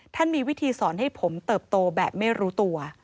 มีวิธีสอนให้ผมเติบโตแบบไม่รู้ตัว